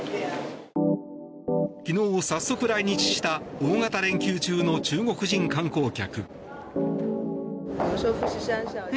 昨日、早速来日した大型連休中の中国人観光客。